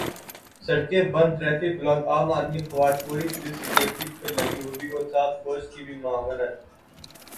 سڑکیں بند، traffic block, عام آدمی خوار، پوری پولیس سکیورٹی پہ لگی ہوئی اور ساتھ فوج کی بھی معاونت۔